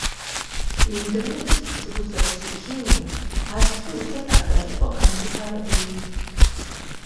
იმ დროისთვის რუსეთში ქიმია არც თუ ისე კარგად იყო განვითარებული.